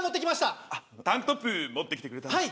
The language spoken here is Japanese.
タンクトップ持ってきてくれたんだ。